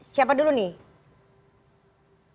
siapa dulu nih